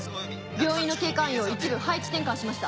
病院の警戒員を一部配置転換しました。